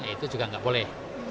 itu juga tidak boleh